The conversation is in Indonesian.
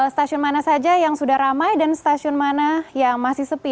stasiun mana saja yang sudah ramai dan stasiun mana yang masih sepi